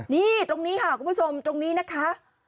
นี่ตรงนี้ค่ะคุณผู้ชมตรงนี้นะคะ